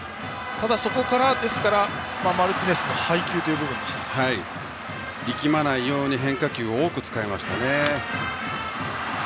ただ、そこからマルティネスの配球という力まないように変化球を多く使いましたね。